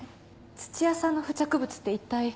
土屋さんの付着物って一体。